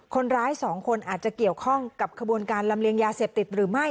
คนร้ายสองคนอาจจะเกี่ยวข้องกับขบวนการลำเลียงยาเสพติดหรือไม่